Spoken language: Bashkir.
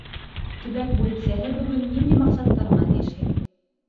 Төбәк бүлексәһе бөгөн ниндәй маҡсаттар менән йәшәй?